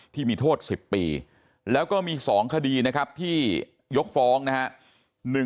ที่มีโทษ๑๐ปีแล้วก็มี๒คดีนะครับที่ยกฟ้องนะครับ